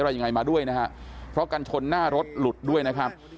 อะไรยังไงมาด้วยนะฮะเพราะกันชนหน้ารถหลุดด้วยนะครับ